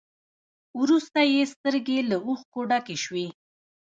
وروسته يې سترګې له اوښکو ډکې شوې.